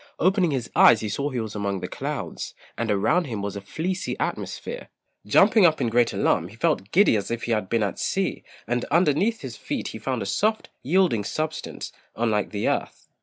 Opening his eyes he saw he was among the clouds, and around him was a fleecy atmosphere. Jumping up in great alarm, he felt giddy as if he had been at sea, and underneath his feet he found a soft, yielding substance, unlike the earth.